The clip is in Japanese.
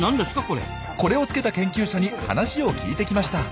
これをつけた研究者に話を聞いてきました。